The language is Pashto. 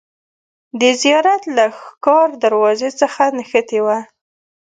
د زیارت لار له ښکار دروازې څخه نښتې وه.